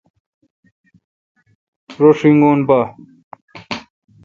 رو شینگون پا۔